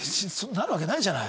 なるわけないじゃない。